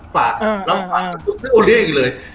ฝากรับฝากกับคนโอเลี้ยงเลย